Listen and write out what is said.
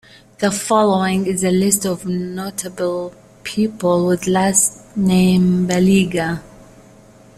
The following is a list of notable people with last name Baliga.